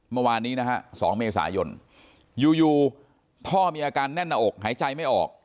เมื่อวานนี้นะฮะ๒เมษายนอยู่พ่อมีอาการแน่นหน้าอกหายใจไม่ออก